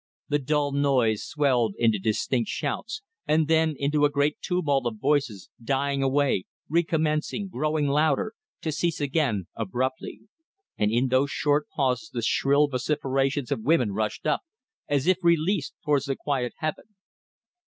The dull noise swelled into distinct shouts, then into a great tumult of voices, dying away, recommencing, growing louder, to cease again abruptly; and in those short pauses the shrill vociferations of women rushed up, as if released, towards the quiet heaven.